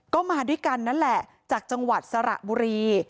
ก็มาด้วยกันนั่นแหละจากจังหวัดสระบุรี